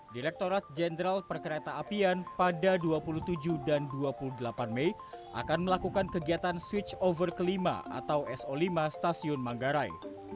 direktorat jenderal perkereta apian pada dua puluh tujuh dan dua puluh delapan mei akan melakukan kegiatan switch over kelima atau so lima stasiun manggarai